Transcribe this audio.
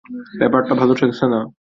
ব্যাপারটা ভালো ঠেকছে না।